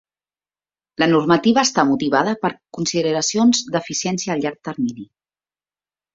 La normativa està motivada per consideracions d'eficiència a llarg termini.